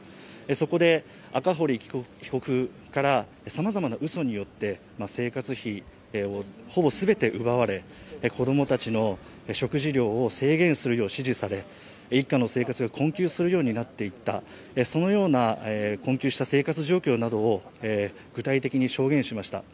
そこで赤堀被告からさまざまなうそによって、生活費をほぼ全て奪われ、子供たちの食事量を制限するよう指示され一家の生活が困窮するようになっていったそのような困窮した生活状況などを具体的に証言しました。